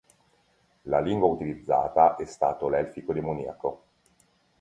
La lingua utilizzata è stato l'elfico-demoniaco.